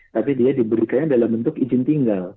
tapi dia diberikannya dalam bentuk izin tinggal